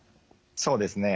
そうですね。